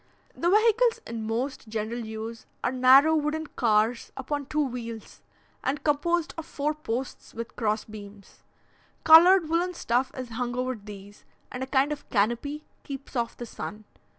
The vehicles in most general use are narrow, wooden cars upon two wheels, and composed of four posts with cross beams. Coloured woollen stuff is hung over these, and a kind of canopy keeps off the sun.